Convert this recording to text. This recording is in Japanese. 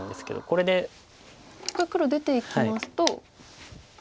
これ黒出ていきますと。